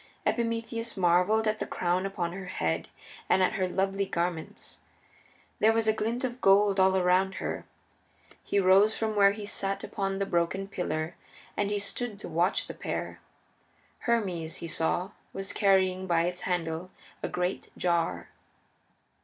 Epimetheus marveled at the crown upon her head and at her lovely garments. There was a glint of gold all around her. He rose from where he sat upon the broken pillar and he stood to watch the pair. Hermes, he saw, was carrying by its handle a great jar.